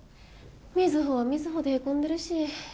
瑞穂は瑞穂でへこんでるし。